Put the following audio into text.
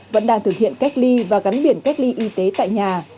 vẫn đang thực hiện cách ly và gắn biển cách ly y tế tại nhà